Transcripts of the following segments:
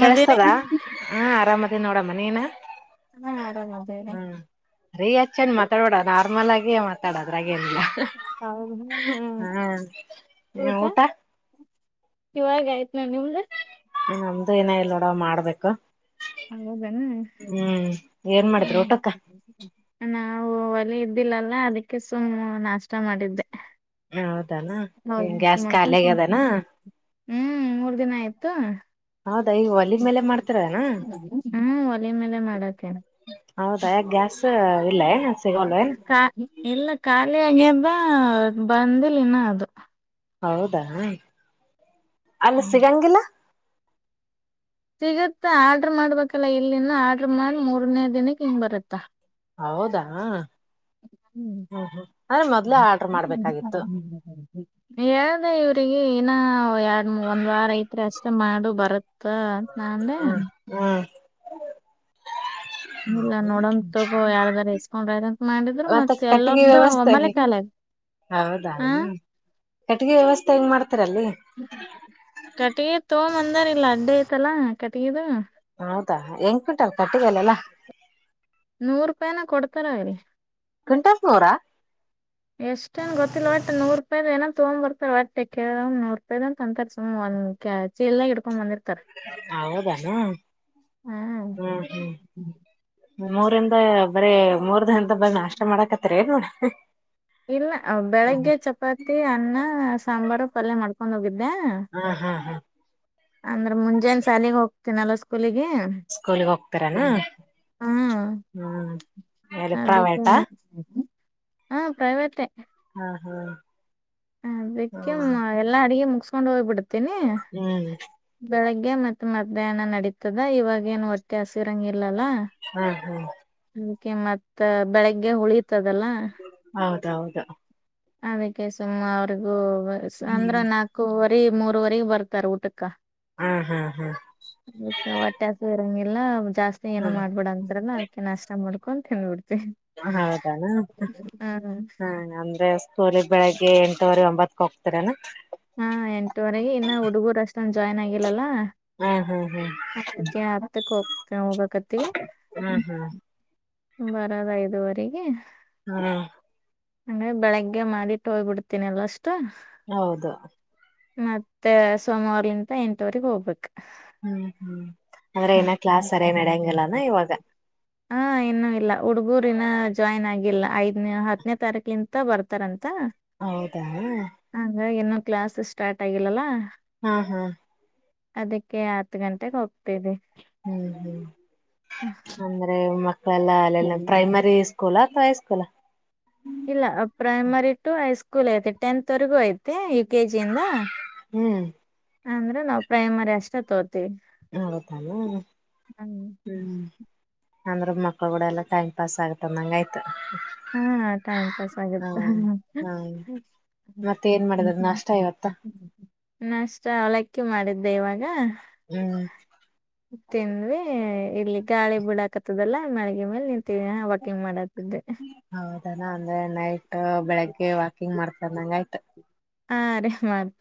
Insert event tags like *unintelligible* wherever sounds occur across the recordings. ಕೆಳ್ಸ್ತದ ಹಾ ಆರಾಮದ ನೋಡ. ಮ ನೀನ. ಹಾ ಆರಾಮದೇವ್ರಿ ಹ್ಮ್ ರಿಯಚನ್ ಮಾತಾಡೋಡ ನ ಇಮಲಗೆ ಮಾತಾಡದ್. ಅದ್ರಾಗೆನಿಲ್ಲ ಹೌದು ಹ್ಮ್ ಹ್ಮ ಊಟ. ಇವಾಗ್ ಆಯ್ತ್ ನಾ ನಿಮ್ದು. ನಮ್ದು ಏನ ಇಲ್ ನೋಡ ಮಾಡ್ಬೇಕು. ಹೌದನೆ ಹ್ಮ್ ಏನ್ ಮಾಡಿದ್ರು ಹ್ಮ ಊಟಕ್ಕ ನ ನಾವು ಒಲೆ ಇದ್ದಿಲ್ಲಲ್ಲ ಅದಕ್ಕೆ ಸುಮ್ಮು ನಾಷ್ಟ ಮಾಡಿದ್ದೆ. ಹೌದಾನ ಗ್ಯಾಸ್ ಖಾಲಿ ಆಗ್ಯದನಾ *unintelligible* ಹ್ಮ್ ಮೂರ್ ದಿನ ಆಯ್ತು. ತೈ ಒಲಿ ಮೇಲೆ ಮಾಡ್ತರೆನಾ ಹ್ಮ್ ಒಲೆ ಮೇಲೆ ಮಾಡತ್ತೇನೆ ಹೌದಾ ಗ್ಯಾಸ್ ಇಲ್ಲ ಏನ ಸಿಗೊಲ್ ಏನ. ಲಿಗ್ಯಾದ ಬಂದಿಲ್ ಇನ್ನ ಅದು. ಹೌದಾ. ಅಲ್ ಸಿಗಂಗಿಲ್ಲ. ಸಿಗುತ್ತಾ ಆರ್ಡ್ರ ಮಾಡ್ಬೇಕಲ್ಲ ಇಲ್ಲಿಂದ ಆರ್ಡ್ರ ಮಾಡ್ ಮೂರ್ನೇ ದಿನಕ್ಕೆ ಹಿಂಗ್ ಬರುತ್ತ. ಹೌದಾ *unintelligible* ಹ್ಮ್ ಅಂದ್ರೆ ಮೊದ್ಲೇ ಆರ್ಡರ್ ಮಾಡ್ಬೇಕಾಗಿತ್ತು ಏನಂನ್ದೆ ಇವ್ರ್ ಟಿಗಿ ಇನ್ನ ಎರಡ್ ಒಂದ್ ವಾರ ಐತ್ರಿ ಅಷ್ಟೆ ಮಾಡು ಬರುತ್ ತ್ತ ಅಂತ್ ನಾ ಅಂದೆ. ಹ್ಮ್ ಹ್ಮ್ ಇಲ್ಲ ನೋಡಂತಗೋ ಯಾರ್ದಾರ ಇಸ್ಕೊಂಡಾ ರಂತ್ ಮಾಡಿದ್ರು ಮತ್ತೆ ಮತ್ ಕಟ್ಟಿಗೆ ಎಲ್ಲರ್ದು ಒಮ್ಮಲೆ ವ್ಯವಸ್ಥೆಗೆ ಖಾಲೆ. ಆ ಕಟಿಗೆ ವ್ಯವಸ್ ತೆ ಮಾಡ್ತಾರಲ್ಲಿ ಬಂದಾರಿಲ್ಲ ಅಡ್ಡೆ ಐತಲ್ಲ ಕಟಿಗೇದು. ಹೌದಾ ಹೆಂಗ್ ಕ್ವಿಂಟಲ್ ಕಟ್ಟಿಗೆಲೆಲ್ಲ ನೂರ್ ರೂಪಾಯನ ಕೊಡ್ತಾರ ರೀ ಕ್ವಿಂಟಲ್ ನೂರ ಎಷ್ಟನ್ ಗೊತ್ ಓಟ್ ನೂರೂಪಾಯ್ದೇನೊ ತೋಂಬರ್ತಾರ್ ಒಟ್ಟಿಕೆ ನೂರುಪಾಯಿದ್ ಅಂಕತ್ ಒಂದ್ ಕ್ಯಾ ಚೀಲ ಹಿಡ್ಕೊಂಡ್ ಬಂದಿರ್ ಹೌದಾ ಹ್ಮ್ ಹ್ಮ್ ಹಾ ಮೂರಿಂದ ಬರೇ ಮೂರ್ ದಿಂದ ಬರೇ ನಾಷ್ಟ ಮಾಡಕತ್ತೀರೆ ನೋಡ. ಇಲ್ಲ ಬೆಳಿಗ್ಗೆ ಚಪಾತಿ ಅನ್ನ ಸಾಂಬಾರು ಪಲ್ಯ ಮಾಡ್ಕೊಂಡ್ ಹೋಗಿದ್ದೆ ಹಾ ಹಾ ಹಾ ಅಂದ್ರೆ ಮುಂಜಾನ್ ಸಾಲಿಗ್ ಹೋಗ್ತೀನಲ್ಲ ಸ್ಕೂಲಿಗೆ ಸ್ಕೂಲಿಗೆ ಹೋಗ್ತಾರಾನ ಆಂ ಹ್ಮ್ ಎಲ್ಲಿ ಅದಿಕ್ಕೆ ಪ್ರೈವೇಟಾ ಹಾಂ ಪ್ರೈವೇಟೆ. ಹಾಂ ಹಾಂ ಅದಿಕ್ಕೆ ಹ್ಮ್ ಎಲ್ಲಾ ಅಡಿಗೆ ಮುಗ್ ಸ್ಕೊಂಡ್ ಹೋಬಿಡದ್. ಹ್ಮ್ ಬೆಳಿಗ್ಗೆ ಮತ್ ಮಧ್ಯಾಹ್ನ ನಡೀತದ ಇವಾಗ್ ಏನ್ ಒಟ್ಟೆ ಹಸಿರಂಗ್ ಹ್ಮ್ ಹ್ಮ್. ಅದಿಕೆ ಮತ್ತ ಬೆಳಿಗ್ಗೆ ಹುಳಿ ಹೌದೌದು. ಅದಕ್ಕೆ ಸುಮ್ಮ ಅವ್ರಗೂ ಗೊರ್ಸ್ ಅಂದ್ರ ಹ್ಮ್ ನಾಕುವರ್ ರೆ ಮೂರುವರಿಗ್ ಬರ್ತಾರ್ ಊಟಕ್ಕ. ಹಾ ಹಾ ಹಾ *unintelligible* ವಟ್ಟಾಸ ಇರಂಗಿ ಎಲ್ಲಾ ಒಂದ್ ಜಾಸ್ತಿ ಏನು ಹ್ಮ್ ಮಾಡ್ಬೇಡ ಅಂತರಲ್ಲ. ನಾಷ್ಟ ಮಾಡ್ಕೊಂತ್ ತಿನ್ಬಿಡು ಯಾವ್ನ್ ಹೇಳ್ದನ ಹಾ ಅಂದ್ರೆ ಸೋಲಿಗ್ ಬೆಳಿಗ್ಗೆ ಎಂಟುವರೆ ಒಂಬತ್ಕ್ ಹೋಗ್ ತರೇನ. ಹಾ ಎಂಟುವರೆಗೆ ಇನ್ನ ಹುಡುಗೂರ್ ಅಷ್ಟೊಂದ್ ಜಾಯ್ನ್ ಆಗಿಲ್ಲಲ್ಲ ಹ್ಮ್ ಹ್ಮ್ ಹ್ಮ್ ಅದಕ್ಕೆ ಹತ್ತಕ್ ಹೋಗ್ತ ಹೋಗಕತಿವಿ. ಹ್ಮ್ ಹ್ಮ್ ಹ್ಮ್ ಬರದ ಐದುವರಿಗಿ. ಹ್ಮ್. ಅಂದ್ರೆ ಬೆಳಗ್ಗೆ ಮಾಡಿ ಟೋಯ್ಬ ಬಿಡ್ತೀನಿ ಅಲ್ ಅಷ್ಟು. ಹೌದು. ಮತ್ತೆ ಸೋಮ್ವಾರಲಿಂತ ಎಂಟುವರಿಗ್ ಹೋಗ್ಬೇಕ್. ಹ್ಮ್ ಹ್ಮ್. ಅಂದ್ರೆ ಏನ ಕ್ಲಾಸ್ ಸರಿಯಾಗಿ ನಡ್ಯಂಗಿಲ್ಲಾನ ಇವಾಗ ಹಾ ಇನ್ನು ಇಲ್ಲ ಹುಡ್ಗುರ್ ಇನ್ನ ಜಾಯ್ನ್ ಆಗಿಲ್ಲ ಐದ್ನೆ ಹತ್ನೇ ತಾರೀಕಲಿಂತ ಬರ್ತಾರಂತ್ ತ್ತ ಹೌದಾ ಹಾ ಹಂಗ ಇನ್ನು. ಕ್ಲಾಸ್ಸು ಸ್ಟಾರ್ಟ್ ಆಗಿಲ್ಲಲ್ಲಾ. ಹ ಹ. ಅದಕ್ಕೆ ಹತ್ ಗಂಟೆಗೆ ಹೋಗ್ ತ್ತಿದೆ. ಹ್ಮ್ ಹ್ಮ್ ಅಂದ್ರೆ ಮ ಪಲಾ ಅಲ್ಲೆಲ್ಲ ಹ್ಮ್ ಪ್ರೈಮರಿ ಸ್ಕೂ ಕುಲ ಅತ್ವ ಹೈ ಸ್ಕೂಲ. ಇಲ್ಲ ಪ್ರೈಮರಿ ಟು ಹೈಸ್ಕೂಲ್ ಐತಿ ಟೆಂತ್ವರೆಗೂ ಐತೆ ಈ ಕೆಜಿ ಇಂದ. ಹ್ಮ್ ಅಂದ್ರೆ ನಾವ್ ಪ್ರೈಮರಿ ಅಷ್ಟೇ ತೋತ್ ಹೌತನು ಹ್ಮ್. ಅಂದ್ರ ಮಕ್ಳುಕುಡ ಎಲ್ಲ ಟೈಮ್ ಪಾಸ್ ಆಗುತದಂಗ್ ಆಯ್ತು. ಹಾ ಟೈಮ್ ಪಾಸ್ ಹಾ ಆಗುತ್ತ ಹಾ ಮತ್ತೆ ಏನ್ ಮಾಡಿದ್ರ ನಾಷ್ಟ ಇವತ್ತ ನಷ್ಟ ಅವ್ಲಕ್ಕಿ ಮಾಡಿದ್ ದೆ ಇವಾಗ. ಹ್ಮ್ ತಿಂದ್ವಿ ಇಲ್ಲಿ ಗಾಳಿ ಬಿಳಾಕತ್ತದಲ್ಲಾ ಮ್ಯಾಳ್ಗಿ ಮೇಲೆ ನೀನ್ ತಿ ವಾಕಿಂಗ್ ಮಾಡತ್ ಹೌದಾ ನಾನ್ ದ ನೈಟ್ ಅ ಬೆಳಿಗ್ಗೆ ವಾಕಿಂಗ್ ಮಾಡ್ತಾರ್ ನಂಗ್ ಆಯ್ತ. ಹಾ ರಿ ಮಾಡ್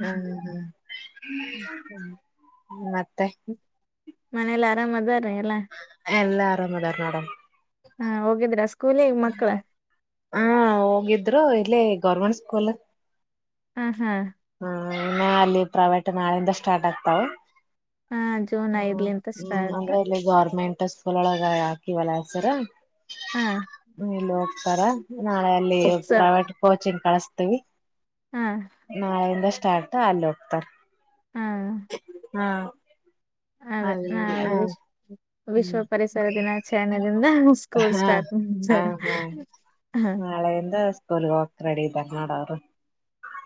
ಹ್ಮ್ ಹ್ಮ್. *unintelligible* ಮತ್ ತ್ತೆ. ಮನೇಲ್ ಆರಾಮ್ ಅದರ್ ಎಲ್ಲಾ ಆರಾಮ್ದಾರ್ ನೋಡಮ್. ಹ ಹೋಗಿದ್ರ ಸ್ಕೂಲಿಗೆ ಮಕ್ಳ ಹಾ ಹೋಗಿದ್ರು ಇಲ್ಲೆ ಗೌರ್ಮೆಂಟ್ ಕೊಲ. ಹಾ ಹಾ. ಹ ಇನ್ನ ಅಲ್ಲಿ ಪ್ರೈವೇಟ್ ನಾಳಿಂದ ಸ್ಟಾರ್ಟ್ ಆಗ್ತಾವ್. ಹಾ ಜೂನ್ ಹ್ಮ ಐದ್ಲಿಂತ ಹ್ಮ್ ಸ್ಟಾರ್ಟ್ ಅಂದ್ರೆ ಇಲ್ಲಿ ಗೌರ್ಮೆಂಟ್. ಟಸವ್ಲೊಳಗ ಹಾಕಿವಲ್ಲ ಹೆಸರ. ಹಾ ಹ್ಮ ನಿಲೋ ತರ. ನಾಳೆ ಅಲ್ಲಿ ಸ ಪ್ರೈವೇಟ್ ಕೋಚಿಂಗ್ ಕಳಸ್ತೀವಿ. ಹಾ ನಾಳೆಯಿಂದ ಸ್ಟಾರ್ಟ್ ಅಲ್ಲೋಕ್ತರ್. ಹಾ ಹಾ ಅದೇ ಅಲ್ಲಿ ನಾಳೆ ಹ ವಿಚ್ ಹ್ಮ್ ವಿಶ್ವ ಪರಿಸರ ದಿನಾಚರಣೆದಿಂದ ಸ್ಕೂಲ್ ಹಾ ಸ್ಟಾರ್ಟ್ ಹಾ ಮುಂಜಾರ ಹಾ ಹ. ವಕ್ ರೆಡಿ ಇದರ್ ನೋಡ್ ಅವ್ರು.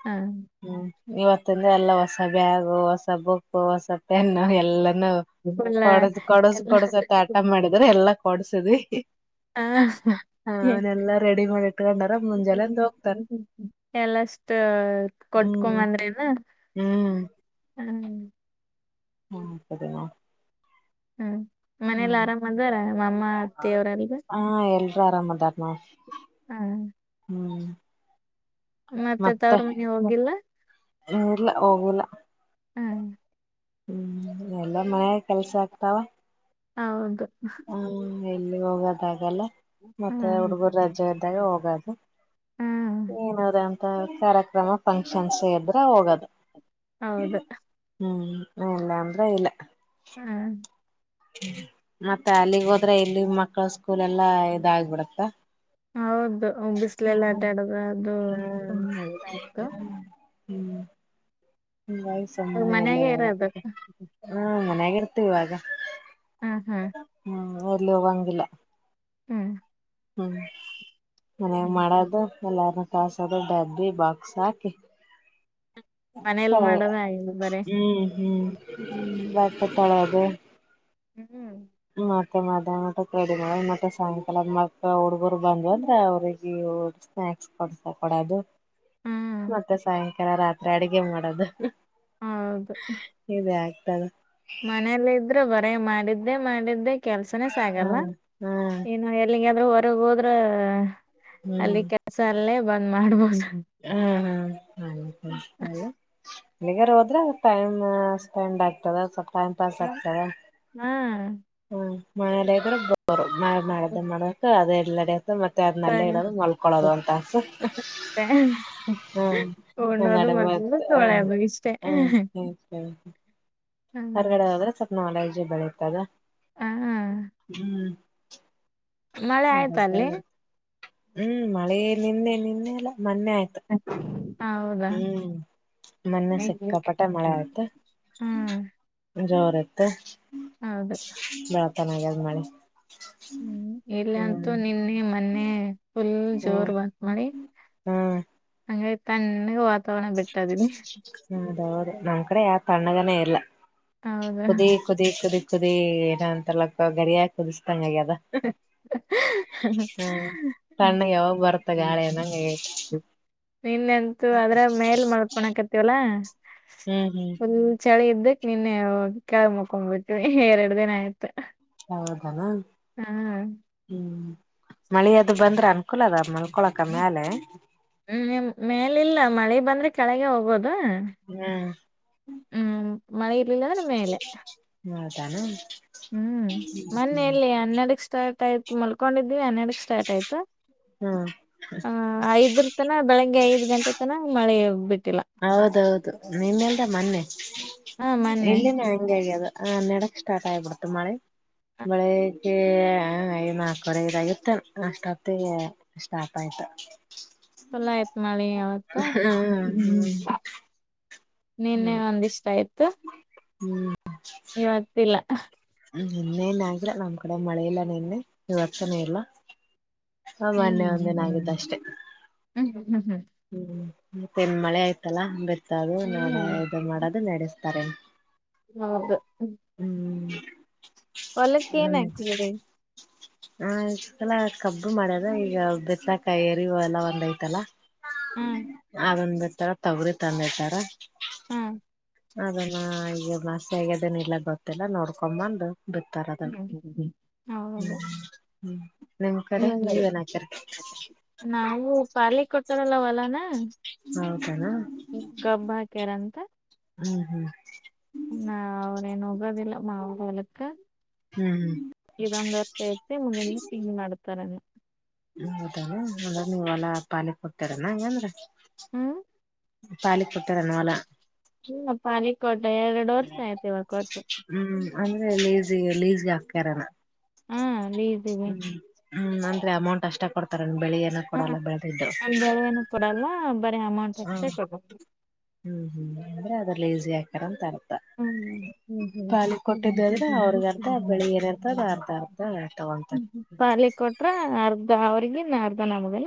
ಹ ಇವತ್ತಿನ್ದ ಎಲ್ಲ ಹೊಸ ಬ್ಯಾಗು ಹೊಸ ಬುಕ್ಕು ಹೊಸ ಪೆನ್ನು ಎಲ್ಲ ನು ಫುಲ್ಲ ಕೊಡ್ಸ ಕೊಡ್ಸ. ಎಲ್ಲ ಕೊಡ್ಸತ್ತ ಹಠ ಮಾಡಿದ್ರೆ ಎಲ್ಲಾ ಕೊಡ್ಸ್ ತದೆ ಹಿ ಹಿ. ಹಃ ಹ ಏ ರೆಡಿ ಮಾಡಿ ಇಟ್ಕೊಂಡಾರ ಮುಂಜಾನೆದ್ದು ಹೋಗ್ತಾರ ಎಲ್ಲಷ್ಟ ಹ್ಮ್ ಕೊಟ್ಕೊಂಬಂದ್ರಿಲ್ಲ ಹ್ಮ್ ಹ. ಹ್ಮ್ ಅದೇನ. ಹ್ಮ್ ಮನೇಲ್ ಆರಾಮ್ ಅದಾರ ಮಾಮ್ಮ ಅತ್ತೆ ಅವ್ರೆಲ್ಲ. ಆರಾಮ್ ಅದಾರ್ ನೋಡ್ರಿ. ಹ ಹ್ಮ್ ಮತ್ತೆ ತವ್ರ ಮನೆ ಹೋಗಿಲ್ಲ ಇಲ್ಲ ಹೋಗಿಲ್ಲ. ಹ ಹ್ಮ್ ಎಲ್ಲ ಮನೆ ಕೆಲ್ಸ ಆಗ್ತಾವ. ಹೌದು. ಹ್ಮ ಎಲ್ಲಿಗ್ ಹೋಗಕಗಲ್ಲ. ಮತ್ತೆ ಹ್ಮ ಹುಡ್ಗುರ್ ರಜೆ ಇದ್ದಾಗ ಹೋಗದು. ಹ್ಮ್ ಏನರೆ ಅಂತ ಕಾರ್ಯಕ್ರಮ ಫಂಕ್ಷನ್ಸು ಇದ್ರೆ ಹೋಗದು ಹೌದು ಹ್ಮ್. ಹ್ಮ ಇಲ್ಲ ಅಂದ್ರೆ ಇಲ್ಲ. ಹಾ ಮತ್ತ ಅಲ್ಲಿಗ್ ಹೋದ್ರೆ ಇಲ್ಲಿ ಮಕ್ಳ ಸ್ಕೂಲ್ ಎಲ್ಲ ಇದಾಗ್ ಬಿಡತ್ತ. ಹೌದು ಬಿಸ್ಲೆಲ್ ಆಡಾಡೊದು ಅದು. *unintelligible* ಹ್ಮ್ ವಾಯ್ಸ ಇವಾಗ ಅಂದ್ಮ್ಯಾಲಿ ಮನೆಗೆ ಇರೋದು ಹಾ ಮನ್ಯಾಗೆ ಗೊತ್ ಇವಾಗ. ಹಾ ಹಾ ಹ. ಅಲ್ ಹೋಗಂಗಿಲ್ಲ. ಹ್ಮ್ ಮನ್ಯಾಗ್ ಮಾಡದು ನ್ ಹಾಲ್ನ ಕಾಸದು ಡಬ್ಬಿ ಬಾಕ್ಸ್ ಹಾಕಿ. ಮನೇಲಿ ಸರೆ ಮಾಡೋದ ಆಗಿಲ್ಲ ಬರೇ ಹ್ಮ್ ಹ್ಮ್ ಹ್ಮ ಬ ಪತ್ತಳಾಗ. ಹ್ಮ್ ಮತ್ತೆ ಮಾದಾಮ್ ಮಾಡ್ಕ್ ರೆಡಿ ಮಾಡಿ ಮತ್ತೆ ಸಾಯಂಕಾಲದ್ ಮೇಲ್ ಹುಡ್ಗರು ಬಂದ್ವ ಅಂದ್ರ ಅವ್ರಿಗಿ ಸ್ನಾಕ್ಸ್ ಕೊಡ್ಸ ಕೊಡದು ಹ್ಮ್ ಮತ್ತೆ ಸಾಯಂಕಾಲ ರಾತ್ರಿ ಅಡ್ಗೆ ಮಾಡೊದು. ಇ ಬ್ಯಾಗ್ ಟಗ. ಮನೇಲ್ ಇದ್ರೆ ಬರೇ ಮಾಡಿದ್ದೆ ಮಾಡಿದ್ದೆ. ಕೆಲ್ಸನೇ ಸಗಲ್ಲ ಹ್ಮ್ ಹ್ಮ್ ಇನು ಎಲ್ಲಿಗ್ಯಾದ್ರು ದ್ರ ಹೊರಗ್ ಹೋದ್ರ. ಅಲ್ಲಿ ಕೆಲ್ಸ ಅಲ್ಲೇ. ಬಂದ್ ಮಾಡ್ಬೋದ. ಹ್ಹ ಹ. ಹ್ಮ ಹ ಹೇಳು. ಎಲ್ಲಿಗಾರು ಹೋದ್ರ ಟೈಮ ಸ್ಪೆಂಡ್ ಆಗ್ತದ ಸ್ವಲ್ ಟೈಮ್ ಪಾಸ್ ಆಗ್ತಾರ. ಹಾ ಹ್ಮ ಮಾನ್ಯಲೆ. *unintelligible* ಮ ಮಾಡ್ದ ಮಾಡ್ಬೆಕ ಅದೇ ಇಲ್ಲಡೆ. ಮತ್ತೆ ಅದನ್ನಲ್ಲೆ ಸರಿ ಇಡೋದು ಮಲ್ಕೊಳೋದು ಒಂತಾಸು ಅಷ್ಟೇ ಹ್ಮ್ ಹ್ಮ್ ಉಣ್ಣೋದು ನಡೆಮತ್ತ ಮಲಗೋದು ತೊಳೆಯೋದು ಹ ಇಷ್ಟೇ ಹ್ಮ. ಹ್ಮ್ ಹೊರ್ಗಡೆ ಹೋದ್ರೆ ಸ್ವಲ್ಪ್ ನೊಲೇಜ್ ಜ್ ಬೆಳಿತ್ತದ ಹ ಹ್ಮ್. ಮಳೆ ಆಯ್ತ ಅಲ್ಲಿ. ಹ್ಮ್ ಮಳೆ ನಿನ್ನೆ ನಿನ್ನೆ ಆಲ್ಲ. ಮೊನ್ನೆ ಆಯ್ತ. ಹೌದಾ ಸಿಕ್ಕಾಪಟ್ಟೆ ಹ್ಮ್. ಜೋರಿತ್ತ. ಹೌದು. ಚೆನ್ನಾಗ್ ಆದ್ ಮಳಿ. ಹ್ಮ್ ಇಲ್ಲ ಅಂತೂ ಹ್ಮ್ ನಿನ್ನೆ ಮೊನ್ನೆ ಫುಲ್ ಹ್ಮ್ ಜೋರ್ ಬಂತ ಮಳಿ ಹ್ಮ್ ಹಂಗ್ಯಾಗ್ ತಣ್ಣಗ್ ವಾತ್ ತವಣ ಬೆಟ್ ಅದಿನಿ. ಹೌದೌದು ನಮ್ ಕಡೆ ಯಾವ್ ತಣ್ಣಗನೇ ಇಲ್ಲ. ಹೌದಾ ಕುದಿ ಕುದಿ ಕುದಿ ಕುದಿ ಏನೋ ಅಂತರ್ಲಾಕ್ಕ ಗಡಿಯಾವ್ ಕೂದುಸ್ದಂಗ್ ಆಗ್ಯದ್ ತಣ್ಣಗ್ ಯಾವಾಗ ಬರುತ್ತ ಗಾಳಿ ಅನ್ನಂಗ ಆಗೈತಿ *unintelligible* ನಿನ್ನೀ ಅಂತೂ ಅದ್ರಾಗ ಮೇಲ ಮಲ್ಕೊನಕತಿವಲ್ಲ ಹ್ಮ್ ಹ್ಮ್ ಚಳಿ ಇದ್ದಕ್ಕ ನಿನ್ನೆ ಹೋಗಿ ಕೆಳಗ ಮಕ್ಕೊಂಬಿಟ್ವಿ ಎರಡ ದಿನ ಆಯ್ತ್ ಹೌದನ ಹ್ಮಾ ಮಳಿ ಅದು ಬಂದ್ರ ಅನುಕೂಲ ಅದ ಮನ್ಕೋಳಕ್ ಮ್ಯಾಲೆ ಹ್ಮ್ ಹ್ಮ ಮೇಲಿಲ್ಲ ಮಳೆ ಬಂದ್ರೆ ಕೆಳಗೆ ಹೋಗೋದು ಹ್ಮ್ ಹ್ಮ್ ಹ್ಮ ಮಳೆ ಇರ್ಲಿಲ್ಲ ಅಂದ್ರೆ ಮೇಲೆ ತಾನ *unintelligible* ಹ್ಮ್ ಮೊನ್ನೆ ಎಲ್ಲಿ ಹನ್ನೆಡಕ್ಕ್ ಸ್ಟಾರ್ಟ್ ಆಯ್ತ್ ಮಲ್ಕೊಂಡಿದ್ನ ಹನ್ನೆಡ್ಡಕ್ಕ ಸ್ಟಾರ್ಟ್ ಆಯಿತು ಹ್ಮ್ ಹ್ಮ ಐದರ್ತನ ಬೆಳಿಗ್ಗೆ ಐದ್ ಗಂಟೆ ತನ ಮಳೆ ಇವಾಗ ಬಿಟ್ಟ ಹೌದೌದು ನಿನ್ನಿಲ್ದ ಮೊನ್ನೆ ಹ ಮೊನ್ನೆ ಇಲ್ಲಿನ ಹಂಗೆ ಆಗೇದ್ ಹನ್ನೇಡಕ್ಕ್ ಸ್ಟಾರ್ಟ್ ಆಗಿ ಬಿಡ್ತು ಮಳೆ ಬೆಳಿಗ್ಗೆ ಐ ನಾಲ್ಕುವರೇ ಐದ್ ಆಗಿತ್ತೇನ್ ಅಷ್ಟೊತ್ತಿಗೆ ಸ್ಟಾರ್ಟ್ ಆಯ್ತ್ ಫುಲ್ ಆಯ್ತ್ ಮಳಿ ಅವತ್ತ ಹ್ಮ್ ಹ್ಮ್ *unintelligible* ನಿನ್ನೆ ಒಂದಿಷ್ಟ ಆಯ್ತು ಹ್ಮ್ ಇವತ್ತಿಲ್ಲ ಹ ನಿನ್ನೆನ ಆಗಿಲ್ಲ ನಮ್ಮ ಕಡೆ ಮಳೆ ಇಲ್ಲಾ ನಿನ್ನೆ ಇವತ್ತನು ಇಲ್ಲ ಹ ಮೊನ್ನೆ ಒಂದಿನ ಆಗಿದ್ದ ಅಷ್ಟೇ ಹ್ಮ ಹ್ಮ ಹ್ *unintelligible* ಹ್ಮ್ ಮತ್ತೆನ್ ಮಳೆ ಆಯ್ತಲ್ಲಾ ಬರ್ತ ಬಿತ್ತೋದು ನೆಡ್ *unintelligible* ಇದು ಮಾಡದು ನಡೆಸ್ತಾರೆ ಹ್ಮ್ ಹೊಲಕ್ಕೆಏನ್ ಹಾಕಿದ್ರಿ *unintelligible* ಹ ಈ ಸಲ ಕಬ್ಬ ಮಾಡೇದ್ ಈಗ ಬಿತ್ತಾಕ ಏರಿ ಹೊಲ ಒಂದ ಐತಲ ಹಾ ಅದನ್ನ ಬಿ *unintelligible* *unintelligible* ತಲ ತೊಬರಿ ತಂದಿಟ್ಟಾರ್ ಹ್ಮ್ ಅದನ್ನ ಈಗ ಮಸ *unintelligible* ಆಗಯ್ದನ ಇಲ್ಲ ಗೊತ್ತಿಲ್ಲ ನೋಡ್ಕೊ ಬಂದು ಬಿತ್ತಾರ ಅದನ್ನು ಹ್ಮ್ ಹೌದು ಹ್ಮ್ ನಿಮ್ ಕಡೆ ನೀವೇನ ಹಕರ *unintelligible* ಪಾಲಿಗೆ ಕೊಟ್ಟಾರಲ್ಲ ಹೊಲನ. ಹೌದನಾ ಹ್ಹ್ ಕಬ್ಬ ಹಾಕ್ಯಾರಂತ. ಹ್ಮ್ ಹ್ಮ್ ನಾವು ಏನ್ ಹೋಗೋದಿಲ್ಲ. ಹೊಲಕ್ಕೆ- ಹ್ಮ್ ಹ್ಮ್ *unintelligible* ತರ- ಹ್ಮ *unintelligible* ಪಾಲಿಗೆ ಕೊಡ್ತರನ ಏಂದ್ರ. ಹ್ಮ್. ಪಾಲಿಗೆ ಕೊಟ್ಟರೇನು ಹೊಲ. ಹ್ಮ ಪಾಲಿಗ್ ಕೊಟ್ಟ - ಎರಡು ವರ್ಷ ಆಯ್ತ್ ಇವಾಗ ಕೊಟ್ಟು. ಹ್ಮ್ ಅಂದ್ರೆ ಲೇಸಿಗೆ, ಲೇಸ್ಗೆ ಹಾಕ್ಯಾರ. ಹಾ ಲೀಸ್ಗೆ. ಹ್ಮ್ ಅಂದ್ರ ಅಮೌಂಟ್ ಅಷ್ಟ ಕೊಡ್ತಾರೆ. ಬೆಳೆಯನ್ನು ಕೊಡಲ್ಲ ಬೆಳೆದಿದ್ದು. ಹ- ಹಾ ಹ್ಮ್ ಹ್ಮ್ ಆದ್ರೆ ಅದ. ಲೀಸಿಗೆ ಹಾಕ್ಯಾರ ಅಂತ ಅರ್ಥ. ಹ್ಮ ಪಾಲಿ ಕೊಟ್ಟಿದ್ದು ಅಂದ್ರೆ ಅವ್ರಗ್ ಅರ್ಧ ಬೆಳಿ ಏನಿರ್ತದ ಅರ್ಧ ಅರ್ಧ ತಗೊಂತಾರ *inaudible* ಪಾಲಿಗೆ ಕೊಟ್ರ ಅರ್ದ *unintelligible*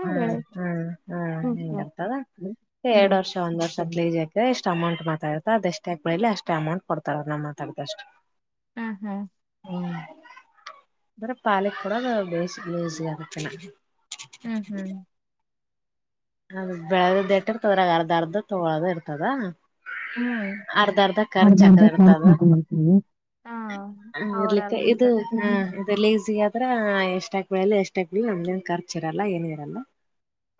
ಹ್ಮ್ ಹ್ಮ್ ಹ್ಮ್ ಹೆಂಗ ಹ್ಮ್ ಇರ್ತದ ಹ್ಮ್ ಎರಡ್ ವರ್ಷ ಒಂದ್ ಹ್ಮ್ ವರ್ಷಲೀಜ ಈಸ್ಟ್ ಎಷ್ಟ್ ಅಮೌಂಟ್ ಮಾತಾ ಆಡಿರ್ತಾರ ಅದೆ ಎಷ್ಟ ಆಗ್. ಲ್ಲಿ ಅಷ್ಟೇ ಅಮೌಂಟ್ ಕೊಡ್ತಾರ ನಾ ಮಾತಾಡಿದಷ್ಟು. ಹ್ಮ್ ಹ್ಮ್. ಹ್ಮ್ ಅಂದ್ರೆ ಪಾಲಿಕ್ ಬರೋದು ಬೇಸ ಬೇಸಿ ಆಗುತ್ತೆ ನನಗೆ. ಹ್ಮ್. ಹ್ಮ್. ಹ ಬೆಳದ. ತೋರ ಅರ್ದ ಅರ್ಧ ತಗೊಳ್ಳೋದು ಇರ್ತ. ಅದಾ. ಅರ್ಧ ಅರ್ಧ ಖರ್ಚ ಅರ್ಧ ಆಕದ ಕರ್ಕ್ ಇರ್ತದ ಹಾಕೊಂಡ್ಬರ್ತೀವಿ ಹಾ ಅವ್ರ ಇರ್ಲಿಕ್ಕೆ ಇದು ಅರ್ಧ ಹ್ಮ ಇದು ಲೇಸಿ. ಅಂದ್ರ ಎಷ್ಟಾಕ್ಬಳಲ್ಲ ಎಷ್ಟಕಾ ಇರ್ಲಿ ನಮ್ದನ್ ಖರ್ಚು ಇರಲ್ಲ ಏನು ಇರಲ್ಲ.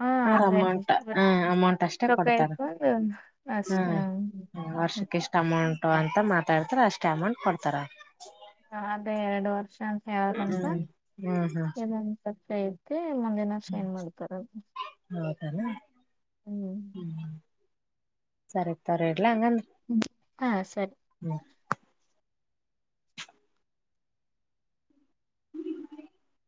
ಹಾ ಅವ್ರ ಅದೇ ಅಮೌಂಟ್ ಹ ಅಮೌಂಟ್ ಅಷ್ಟೇ ರೊಕ್ಕ ಕೊಡ್ತಾರ ಇಸ್ಕೊಂಡು ಅಷ್ಟ ಹ್ಮ ವರ್ಷಕ್ಕೆ ಎಷ್ಟ ಅಮೌಂಟ್ ಅಂತ ಮಾತಾಡ್ತ. ತರ ಅಷ್ಟೇ ಅಮೌಂಟ್ ಕೊಡ್ತಾರ. ಹ ಅದೇ ಎರಡ್ ವರ್ಷ ಅಂತ ಹೇಳಕಂತ ಹ್ಮ್ ಹ್ಮ್ ಹ್ಮ್ ಇದಂತ. ಸೈತಿ. ಮುಂದಿನ್ ವರ್ಷ ಏನ್ ಮಾಡ್ತಾರಂತ. ತಲ. ಹ್ಮ್ ಸರಿ ತೋರ ಇಡ್ಲ ಹಂಗಂದ್ ಹ್ಮ ಹಾ ಸರಿ. *unintelligible* *unintelligible*